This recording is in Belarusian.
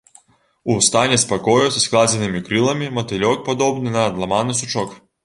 У стане спакою са складзенымі крыламі, матылёк падобны на адламаны сучок.